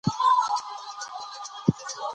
افغانستان د فاریاب په اړه مشهور تاریخی روایتونه لري.